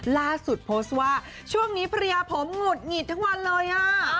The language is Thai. ล่าสุดโพสต์ว่าช่วงนี้ภรรยาผมหงุดหงิดทั้งวันเลยอ่ะ